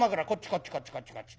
こっちこっちこっちこっち。